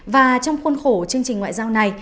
và trong khuôn khổ chương trình ngoại giao này